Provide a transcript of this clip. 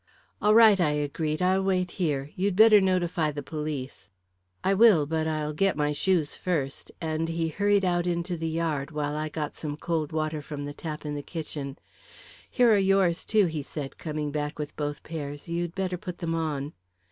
"All right," I agreed. "I'll wait here. You'd better notify the police." "I will. But I'll get my shoes first," and he hurried out into the yard, while I got some cold water from the tap in the kitchen. "Here are yours, too," he said, coming back with both pairs. "You'd better put them on."